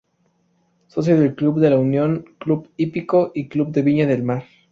Socio del Club de La Unión, Club Hípico y Club de Viña del Mar.